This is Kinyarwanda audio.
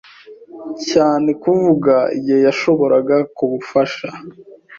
cyane kuvuga igihe yashoboraga kubufasha.